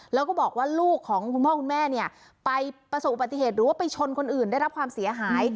แล้วก็บอกว่าลูกของคุณพ่อคุณแม่เนี่ยไปประสบอุบัติเหตุหรือว่าไปชนคนอื่นได้รับความเสียหาย